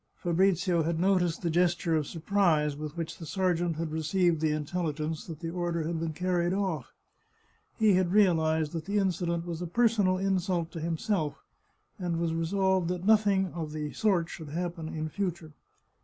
Fabrizio had noticed the gesture of surprise with which the sergeant had received the intelligence that the order had been carried off. He had realized that the incident was a per sonal insult to himself, and was resolved that nothing of the sort should happen in future.